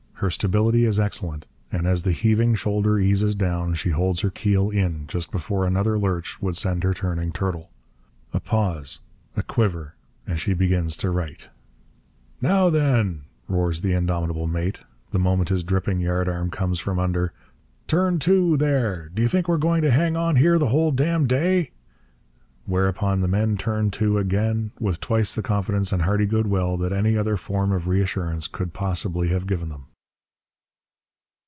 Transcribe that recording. Her stability is excellent. And as the heaving shoulder eases down she holds her keel in, just before another lurch would send her turning turtle. A pause ... a quiver ... and she begins to right. 'Now then,' roars the indomitable mate, the moment his dripping yardarm comes from under, 'turn to, there d' y' think we 're going to hang on here the whole damn' day?' Whereupon the men turn to again with twice the confidence and hearty goodwill that any other form of reassurance could possibly have given them.